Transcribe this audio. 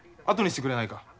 あとにしてくれないか。